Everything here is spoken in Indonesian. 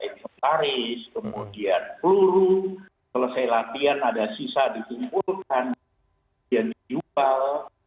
seperti karet kemudian peluru selesai latihan ada sisa ditumpulkan yang dijubal